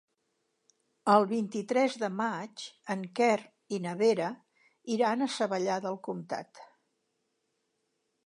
El vint-i-tres de maig en Quer i na Vera iran a Savallà del Comtat.